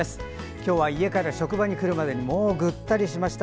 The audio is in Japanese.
今日は家から職場に来るまでにもうぐったりしました。